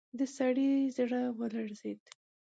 د سړي زړه ولړزېد.